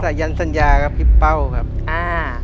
ยันสัญญากับพี่เป้าครับอ่า